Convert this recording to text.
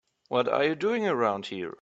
What are you doing around here?